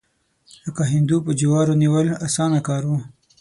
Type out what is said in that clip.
لکه هندو په جوارو نیول، اسانه کار و.